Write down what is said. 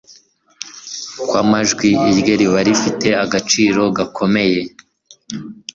kw amajwi irye riba rifite agaciro gakomeye